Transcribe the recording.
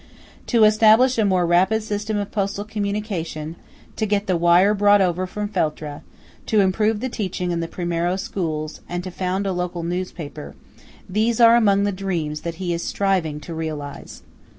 To establish a more rapid system of postal communication, to get the wire brought over from Feltre, to improve the teaching in the Primiero schools, and to found a local newspaper–these are among the dreams that he is striving to realise.